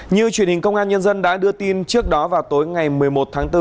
như truyền hình công an nhân dân đã đưa tin trước đó vào tối ngày một mươi một tháng bốn